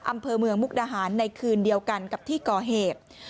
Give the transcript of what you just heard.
อำเภอเมืองมุกดาหารในคืนเดียวกันกับที่ก่อเหตุ